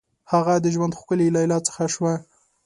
هغه د ژوند ښکلي لیلا څه شوه؟